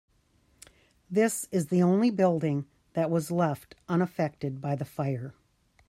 This is the only building that was left unaffected by fire.